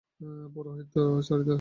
পৌরোহিত্য ছাড়িতে হইল।